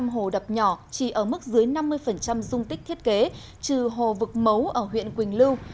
chín trăm sáu mươi năm hồ đập nhỏ chỉ ở mức dưới năm mươi dung tích thiết kế trừ hồ vực mấu ở huyện quỳnh lưu